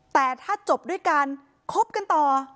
แต่ถ้าจบด้วยกันคบกันต่อ